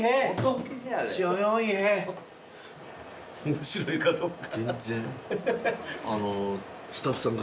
面白いかどうか。